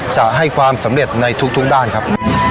จะให้ความสำเร็จในทุกด้านครับ